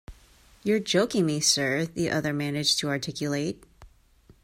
You're joking me, sir, the other managed to articulate.